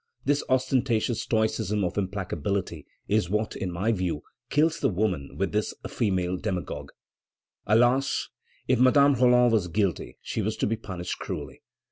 This ostentatious stoicism of implacability is what, in my view, kills the woman in this female demagogue." Alas! if Madame Roland was guilty, she was to be punished cruelly.